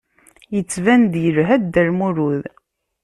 Yettban-d yelha Dda Lmulud.